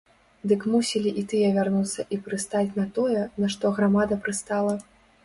Дык мусілі і тыя вярнуцца і прыстаць на тое, на што грамада прыстала.